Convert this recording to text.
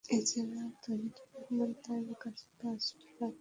এ ছাড়া তহিদুর রহমান তাঁর কাছে পাঁচ লাখ টাকা দাবি করেছেন।